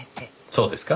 そうですか？